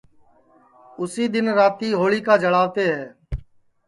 اُسی دؔن رات ہوݪیکا جݪاوتے ہے